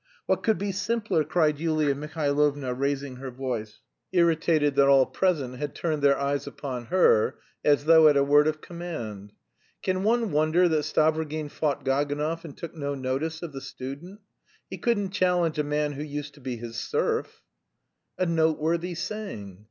"What could be simpler?" cried Yulia Mihailovna, raising her voice, irritated that all present had turned their eyes upon her, as though at a word of command. "Can one wonder that Stavrogin fought Gaganov and took no notice of the student? He couldn't challenge a man who used to be his serf!" A noteworthy saying!